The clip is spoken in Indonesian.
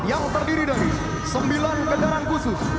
yang terdiri dari sembilan kendaraan khusus